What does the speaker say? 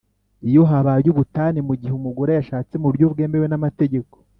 iyo habaye ubutane mu gihe umugore yashatse mu buryo bwemewe n’amategeko